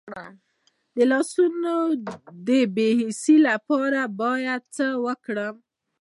د لاسونو د بې حسی لپاره باید څه وکړم؟